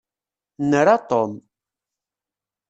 Nra Tom.